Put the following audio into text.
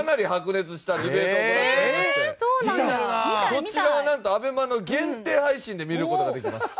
こちらはなんとＡＢＥＭＡの限定配信で見る事ができます。